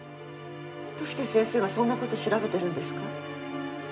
どうして先生がそんな事調べてるんですか？